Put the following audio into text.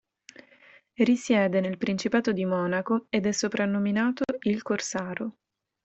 Risiede nel Principato di Monaco ed è soprannominato "il Corsaro".